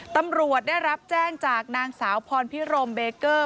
ตำรวจได้รับแจ้งจากนางสาวพรพิรมเบเกอร์